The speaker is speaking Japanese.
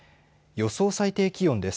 予想最低気温です。